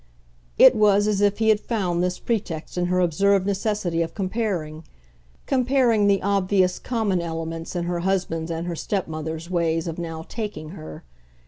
It was as if he had found this pretext in her observed necessity of comparing comparing the obvious common elements in her husband's and her stepmother's ways of now "taking" her.